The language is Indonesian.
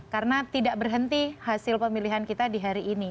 karena tidak berhenti hasil pemilihan kita di hari ini